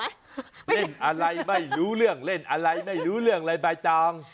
เล่นอะไรไม่รู้เรื่องเล่นอะไรไม่รู้เรื่องอะไรใบตอง